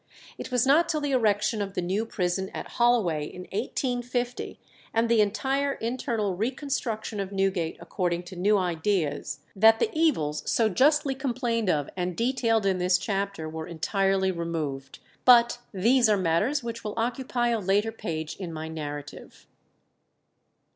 It was not till the erection of the new prison at Holloway in 1850, and the entire internal reconstruction of Newgate according to new ideas, that the evils so justly complained of and detailed in this chapter were entirely removed. But these are matters which will occupy a later page in my narrative.